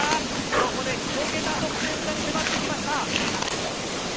ここで１桁得点差に迫ってきました。